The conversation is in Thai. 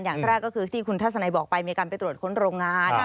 อย่างแรกก็คือที่คุณทัศนัยบอกไปมีการไปตรวจค้นโรงงาน